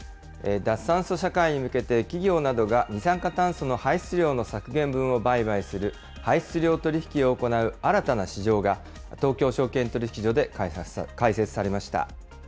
脱炭素社会に向けて、企業などが二酸化炭素の排出量の削減分を売買する排出量取引を行う新たな市場が、東京証券取引所で開設されました。